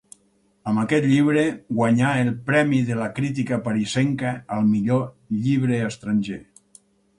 Amb aquest llibre guanyà el premi de la crítica parisenca al millor llibre estranger.